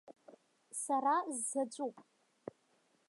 Сара сзаҵәуп!